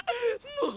もう！！